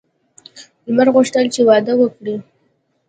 لمر غوښتل چې واده وکړي.